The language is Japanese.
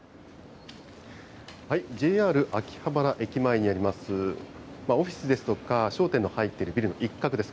ＪＲ秋葉原駅前にあります、オフィスですとか商店の入っているビルの一角です。